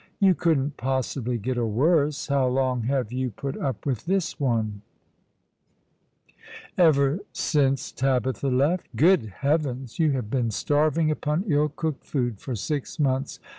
" Ygtu couldn't possibly get a worse. How long Lave you put up with this one ?"" Ever since Tabitha left." " Good heavens ! You have been starving upon ill cooked food for six months.